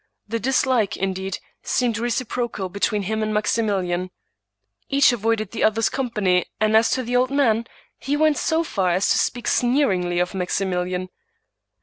The dislike, indeed, seemed recip rocal between him and Maximilian. Each avoided the oth 136 Thomas De Quincey er's company; and as to the old man, he went so far as to speak sneeringly of Maximilian.